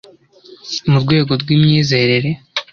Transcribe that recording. mu rwego rw imyizerere